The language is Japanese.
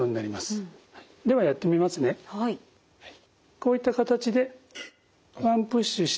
こういった形でワンプッシュして。